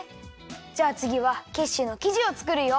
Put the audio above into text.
じゃあつぎはキッシュのきじをつくるよ。